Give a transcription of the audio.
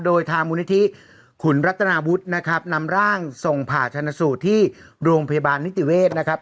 โดยทางมูลนิธิขุนรัตนาวุฒินะครับนำร่างส่งผ่าชนสูตรที่โรงพยาบาลนิติเวศนะครับ